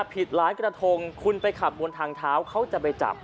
ผิดหลายกระทงคุณไปขับบนทางเท้าเขาจะไปจับ